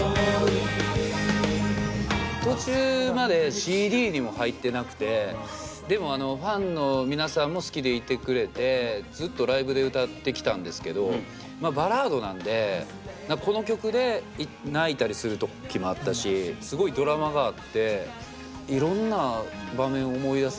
途中までＣＤにも入ってなくてでもファンの皆さんも好きでいてくれてずっとライブで歌ってきたんですけどバラードなんでこの曲で泣いたりする時もあったしすごいドラマがあっていろんな場面を思い出せるような曲ですよね。